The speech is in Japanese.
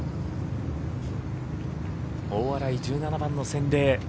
大洗１７番の洗礼。